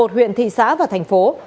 một mươi một huyện thị xã và thành phố